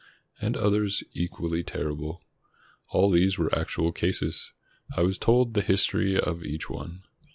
And others equally terrible. All these were actual cases. I was told the history of each one.